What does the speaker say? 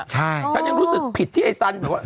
ฉันยังรู้สึกผิดที่ไอ้สัน